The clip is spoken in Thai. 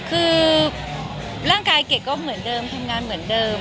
คือร่างกายเกดก็เหมือนเดิมทำงานเหมือนเดิม